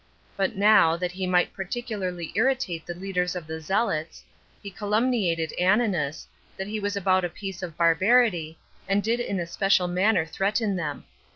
But now, that he might particularly irritate the leaders of the zealots, he calumniated Ananus, that he was about a piece of barbarity, and did in a special manner threaten them.